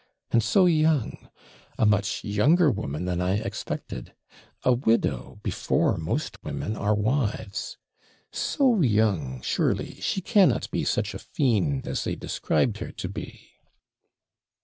And so young! A much younger woman than I expected. A widow before most women are wives. So young, surely she cannot be such a fiend as they described her to be!'